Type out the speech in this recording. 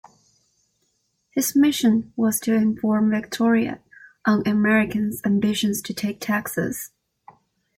His mission was to inform Victoria on Americans' ambitions to take Texas.